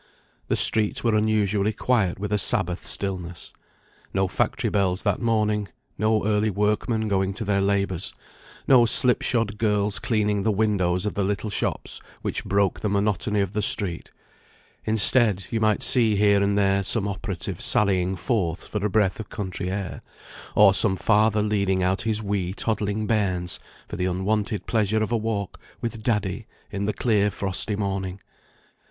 The streets were unusually quiet with a Sabbath stillness. No factory bells that morning; no early workmen going to their labours; no slip shod girls cleaning the windows of the little shops which broke the monotony of the street; instead, you might see here and there some operative sallying forth for a breath of country air, or some father leading out his wee toddling bairns for the unwonted pleasure of a walk with "Daddy," in the clear frosty morning.